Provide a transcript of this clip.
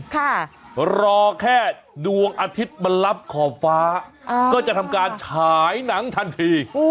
ค่ะรอแค่ดวงอาทิตย์มันรับขอบฟ้าก็จะทำการฉายหนังทันที